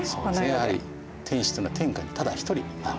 やはり天子っていうのは天下にただ一人なんですね。